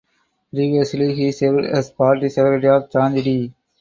Previously he served as party secretary of Changde.